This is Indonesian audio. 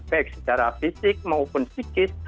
baik secara fisik maupun psikis